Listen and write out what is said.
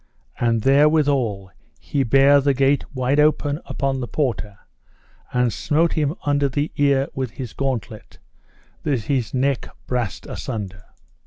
And therewithal he bare the gate wide open upon the porter, and smote him under his ear with his gauntlet, that his neck brast a sunder.